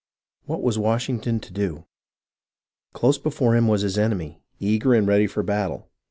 What was Washington to do .' Close before him was his enemy, eager and ready for battle.